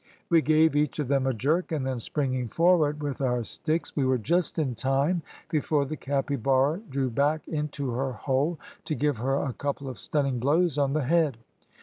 We gave each of them a jerk, and then springing forward with our sticks, we were just in time before the capybara drew back into her hole to give her a couple of stunning blows on the head.